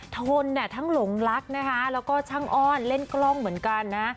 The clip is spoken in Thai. ทนทั้งหลงรักนะคะแล้วก็ช่างอ้อนเล่นกล้องเหมือนกันนะ